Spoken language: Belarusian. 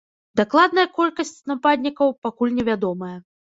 Дакладная колькасць нападнікаў пакуль не вядомая.